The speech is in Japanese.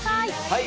はい。